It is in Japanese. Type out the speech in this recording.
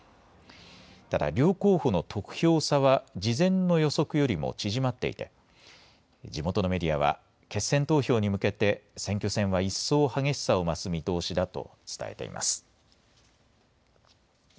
ただ、両候補の得票差は事前の予測よりも縮まっていて地元のメディアは決選投票に向けて選挙戦は一層、激しさを増す見通しだと伝えています。